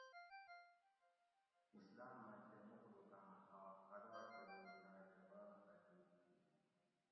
اسلام مئی کہ مخلوقاں حاق ادا کۤروگ راکہ باۤر تاکید تھی